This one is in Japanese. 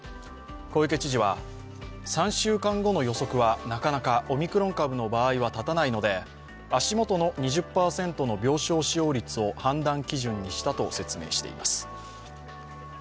小池知事は、３週間後の予測はなかなかオミクロン株の場合は立たないので足元の２０％の病床使用率を判断基準にしたと説明しています。